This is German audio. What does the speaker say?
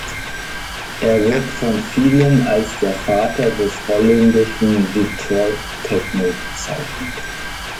Er wird von vielen als der Vater des holländischen Detroit Techno bezeichnet.